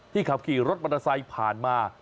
ขับขี่รถมอเตอร์ไซค์ผ่านมา